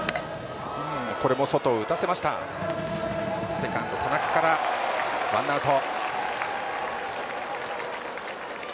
セカンド田中からワンアウト。